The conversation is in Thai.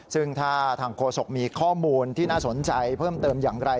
ซึ่งถ้าทางโฆษกมีข้อมูลที่น่าสนใจเพิ่มเติมอย่างไร